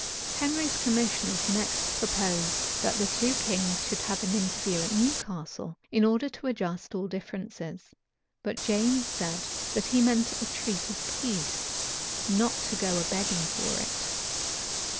Henry's commissioners next proposed, that the two kings should have an interview at Newcastle, in order to adjust all differences; but James said, that he meant to treat of a peace, not to go a begging for it.